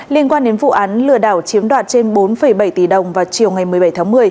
liên quan đến vụ án lừa đảo chiếm đoạt trên bốn bảy tỷ đồng vào chiều ngày một mươi bảy tháng một mươi